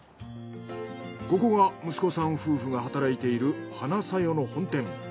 ここが息子さん夫婦が働いている花小代の本店。